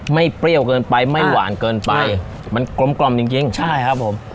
เปรี้ยวเกินไปไม่หวานเกินไปมันกลมกล่อมจริงจริงใช่ครับผม